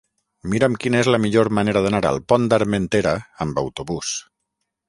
Mira'm quina és la millor manera d'anar al Pont d'Armentera amb autobús.